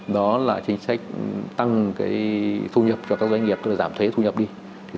đó là chính sách tăng thu nhập cho các doanh nghiệp giảm thuế thu nhập đi